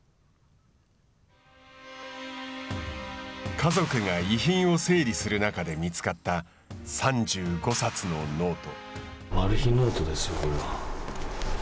家族が遺品を整理する中で見つかった３５冊のノート。